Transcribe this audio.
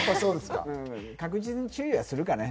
確実に注意はするかね。